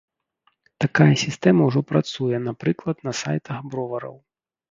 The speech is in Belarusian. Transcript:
Такая сістэма ўжо працуе, напрыклад, на сайтах бровараў.